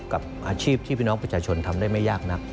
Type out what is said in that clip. กับอาชีพที่พี่น้องประชาชนทำได้ไม่ยากนัก